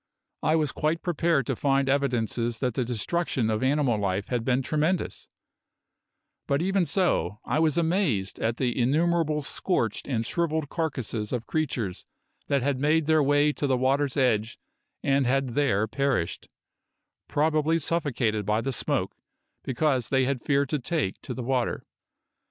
I was quite prepared to find evidences that the destruction of animal life had been tremendous; but even so I was amazed at the innumerable scorched and shrivelled carcasses of creatures that had made their way to the water's edge and had there perished, probably suffocated by the smoke because they had feared to take to the water.